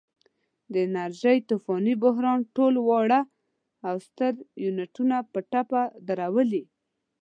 د انرژۍ طوفاني بحران ټول واړه او ستر یونټونه په ټپه درولي.